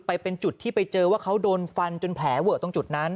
ไปเป็นจุดที่ไปเจอว่าเขาโดนฟันจนแผลเวอะตรงจุดนั้น